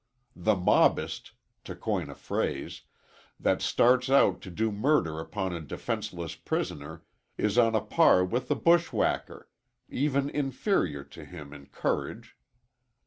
The mobist, to coin a phrase, that starts out to do murder upon a defenceless prisoner, is on a par with the bushwhacker even inferior to him in courage.